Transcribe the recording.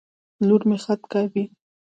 لور مي خط کاږي.